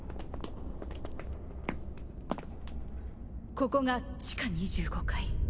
ここが地下２５階。